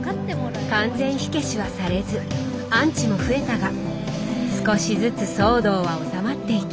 完全火消しはされずアンチも増えたが少しずつ騒動は収まっていき。